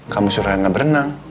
kamu suruh reina berenang